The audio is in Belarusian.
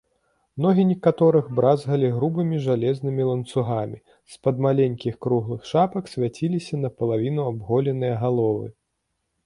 Ногі некаторых бразгалі грубымі жалезнымі ланцугамі, з-пад маленькіх круглых шапак свяціліся напалавіну абголеныя галовы.